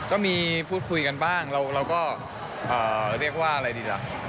ก็มีพูดคุยกันบ้างเราก็เรียกว่าอะไรดีล่ะ